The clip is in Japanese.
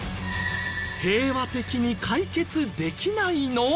平和的に解決できないの？